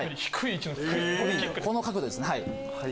この角度ですね。